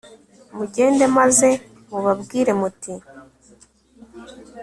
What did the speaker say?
mugende maze mubabwire muti